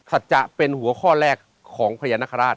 ศักดิ์จักรเป็นหัวข้อแรกของพญานาคาราช